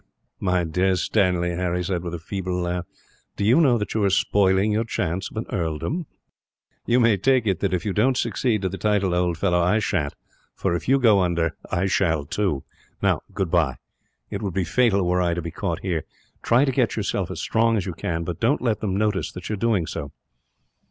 "My dear Stanley," Harry said, with a feeble laugh, "do you know that you are spoiling your chance of an earldom?" "You may take it that if you don't succeed to the title, old fellow, I sha'n't; for if you go under, I shall, too. "Now goodbye; it would be fatal were I to be caught here. Try to get yourself as strong as you can, but don't let them notice that you are doing so."